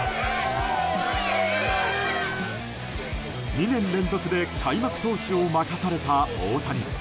２年連続で開幕投手を任された大谷。